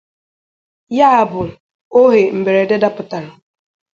ya bụ ohe mberede dapụtara.